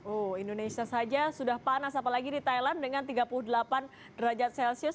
oh indonesia saja sudah panas apalagi di thailand dengan tiga puluh delapan derajat celcius